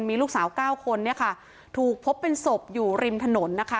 มีลูกสาวเก้าคนเนี่ยค่ะถูกพบเป็นศพอยู่ริมถนนนะคะ